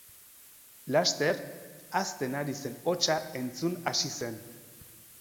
Laster, hazten ari zen hotsa entzun hasi zen.